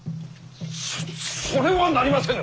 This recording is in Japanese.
そそれはなりませぬ！